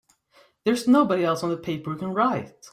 There's nobody else on the paper who can write!